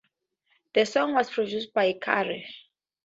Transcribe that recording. The song was produced by Carr.